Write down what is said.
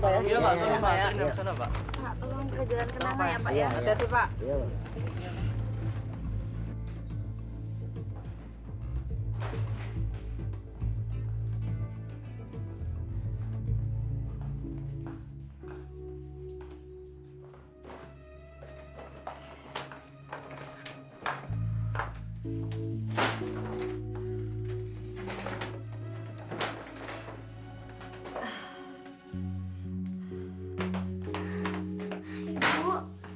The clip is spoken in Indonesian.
ini sudah tiga hari lebih